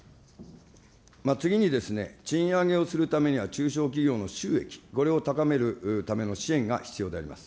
次にですね、賃上げをするためには中小企業の収益、これを高めるための支援が必要であります。